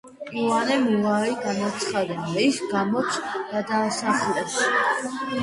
იოანემ უარი განაცხადა, რის გამოც გადაასახლეს.